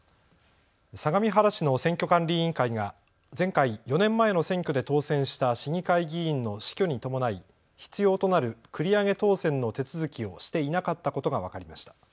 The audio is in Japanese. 相模原市の選挙管理委員会が前回４年前の選挙で当選した市議会議員の死去に伴い必要となる繰り上げ当選の手続きをしていなかったことが分かりました。